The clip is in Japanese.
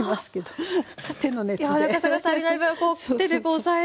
柔らかさが足りない分こう手で押さえるという。